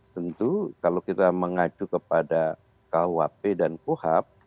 tentu kalau kita mengacu kepada kuhp dan kuhap